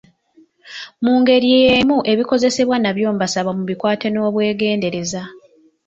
Mu ngeri yeemu ebikozesebwa nabyo mbasaba mubikwate n'obwegendereza.